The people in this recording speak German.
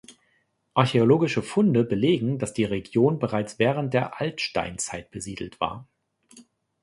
Archäologische Funde belegen, dass die Region bereits während der Altsteinzeit besiedelt war.